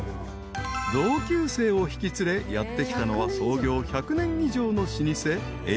［同級生を引き連れやって来たのは創業１００年以上の老舗］